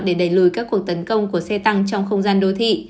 để đẩy lùi các cuộc tấn công của xe tăng trong không gian đô thị